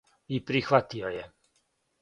И прихватио је.